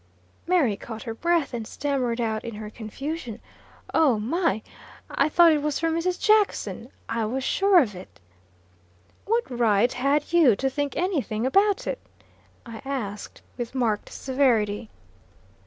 Mary caught her breath, and stammered out, in her confusion: "Oh, my! I thought it was from Mrs. Jackson. I was sure of it." "What right had you to think any thing about it?" I asked, with marked severity.